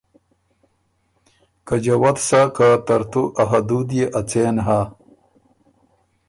که جوت سَۀ که ترتو ا حدود يې ا څېن هۀ،